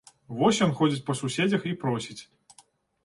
Вось ён ходзіць па суседзях і просіць.